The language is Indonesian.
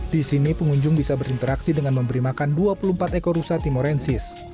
di sini pengunjung bisa berinteraksi dengan memberi makan dua puluh empat ekor rusa timorensis